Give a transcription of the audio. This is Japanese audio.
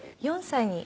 ４歳に。